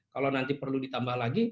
kalau nanti perlu ditambah lagi